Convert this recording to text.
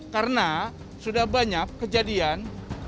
karena sudah banyak kejadian